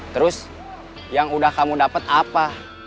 terus yang udah kamu dapat apa